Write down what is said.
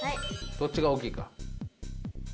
どっちが大きいか。